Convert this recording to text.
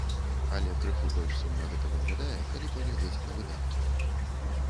Але крыху больш сумна гэта выглядае, калі паглядзець на выдаткі.